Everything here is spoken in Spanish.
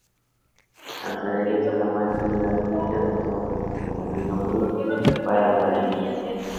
Al salir de Salamanca, Hidalgo ya contaba con cincuenta mil hombres para la lucha.